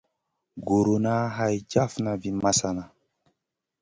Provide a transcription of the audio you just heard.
Guruna hay jafna vi masana.